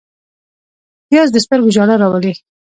پیاز د سترګو ژړا راولي